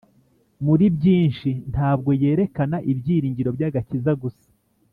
muri byinshi. Ntabwo yerekana ibyiringiro by'agakiza gusa,